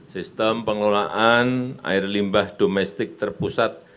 sistem pengelolaan air limbah domestik terpusat